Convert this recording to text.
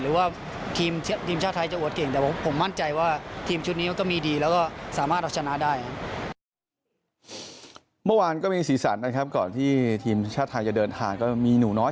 หรือว่าทีมชาติไทยจะอวดเก่งแต่ผมมั่นใจว่าทีมชุดนี้ก็มีดี